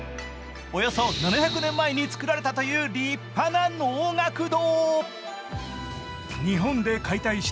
およそ７００年前につくられたという立派な能楽堂。